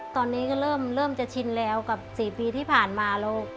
ตอนนี้ก็เริ่มจะชินแล้วกับ๔ปีที่ผ่านมาลูก